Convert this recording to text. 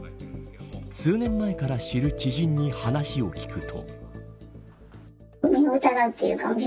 数年前から知る知人に話を聞くと。